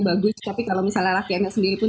bagus tapi kalau misalnya latihannya sendiri pun